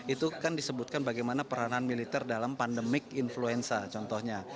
itu kan disebutkan bagaimana peranan militer dalam pandemik influenza contohnya